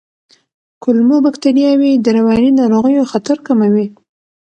کولمو بکتریاوې د رواني ناروغیو خطر کموي.